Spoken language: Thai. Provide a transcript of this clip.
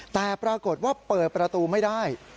แต่ปรากฏว่าเปิดประตูไม่ได้